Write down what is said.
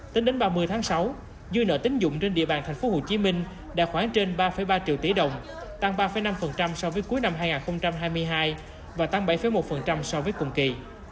tính đến ba mươi tháng sáu dư nợ tính dụng trên địa bàn tp hcm đã khoảng trên ba ba triệu tỷ đồng tăng ba năm so với cuối năm hai nghìn hai mươi hai và tăng bảy một so với cùng kỳ